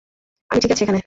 আমি ঠিক আছি এখানে।